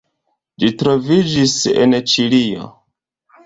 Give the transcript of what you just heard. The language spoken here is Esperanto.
Ĝi troviĝis en Ĉilio.